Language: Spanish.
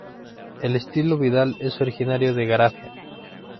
El Estilo Vidal es originario de Garafía.